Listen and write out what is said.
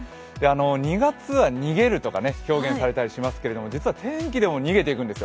２月は逃げるとか表現されたりしますけど、実は天気でも逃げていくんですよ。